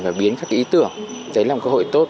và biến các ý tưởng đấy là một cơ hội tốt